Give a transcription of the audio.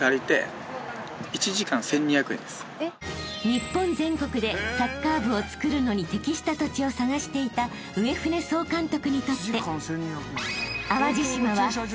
［日本全国でサッカー部をつくるのに適した土地を探していた上船総監督にとって］